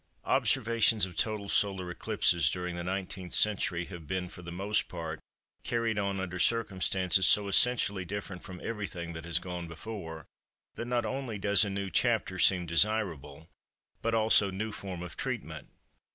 Observations of total solar eclipses during the 19th century have been, for the most part, carried on under circumstances so essentially different from everything that has gone before, that not only does a new chapter seem desirable but also new form of treatment.